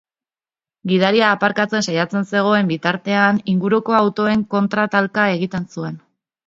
Gidaria aparkatzen saiatzen zegoen bitartean inguruko autoen kontra talka egiten zuen.